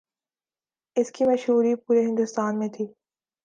اس کی مشہوری پورے ہندوستان میں تھی۔